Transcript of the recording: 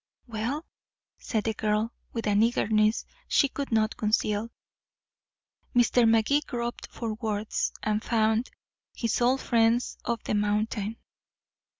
"Well?" said the girl, with an eagerness she could not conceal. Mr. Magee groped for words. And found his old friends of the mountain.